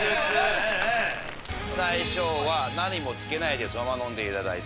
最初は何もつけないでそのまま飲んでいただいて。